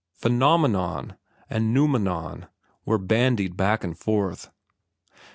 Phenomenon and noumenon were bandied back and forth.